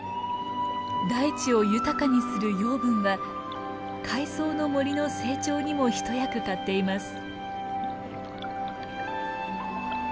大地を豊かにする養分は海藻の森の成長にも一役買っています。